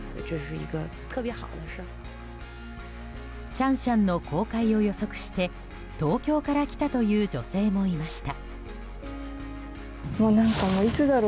シャンシャンの公開を予測して東京から来たという女性もいました。